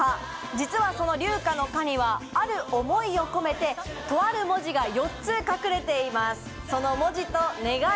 実はその龍華の「華」にはある思いを込めてとある文字が４つ隠れています。